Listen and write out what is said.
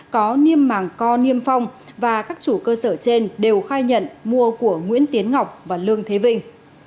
có niêm màng co niêm phong và các chủ cơ sở trên đều khai nhận mua của nguyễn tiến ngọc và lương thế vinh